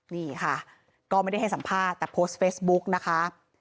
นี่ค่ะก็ไม่ได้ให้สัมภาษณ์แต่โพสต์เฟซบุ๊กนะคะ